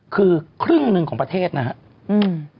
คือครึ่งหนึ่งของประเทศนะครับ